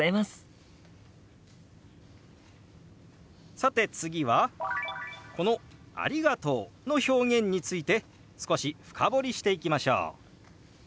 さて次はこの「ありがとう」の表現について少し深掘りしていきましょう。